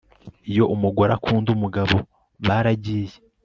iyo umugore akunda umugabo, baragiye